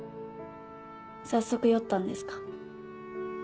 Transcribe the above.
早速酔ったんですか？